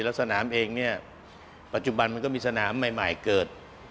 แล้วสนามเองเนี่ยปัจจุบันมันก็มีสนามใหม่เกิด